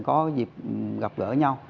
có dịp gặp gỡ nhau